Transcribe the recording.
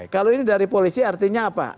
kalau ini dari polisi artinya apa